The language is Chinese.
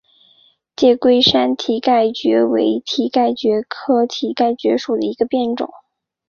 介贵山蹄盖蕨为蹄盖蕨科蹄盖蕨属下的一个变种。